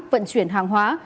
vận chuyển hàng hóa